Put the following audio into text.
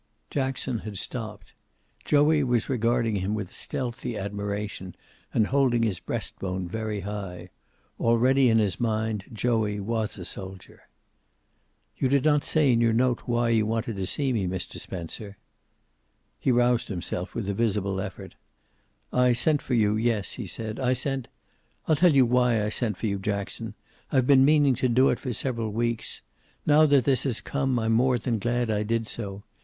Jackson had stopped. Joey was regarding him with stealthy admiration, and holding his breast bone very high. Already in his mind Joey was a soldier. "You did not say in your note why you wanted to see me, Mr. Spencer." He roused himself with a visible effort. "I sent for you, yes," he said. "I sent I'll tell you why I sent for you, Jackson. I've been meaning to do it for several weeks. Now that this has come I'm more than glad I did so.